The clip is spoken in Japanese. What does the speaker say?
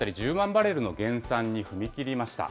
バレルの減産に踏み切りました。